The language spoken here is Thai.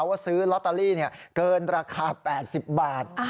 ว่าซื้อลอตเตอรี่เกินราคา๘๐บาท